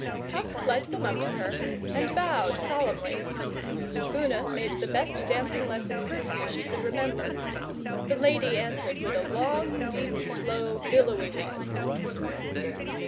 Puck led them up to her and bowed solemnly. Una made the best dancing lesson curtsy she could remember. The lady answered with a long, deep, slow, billowy one.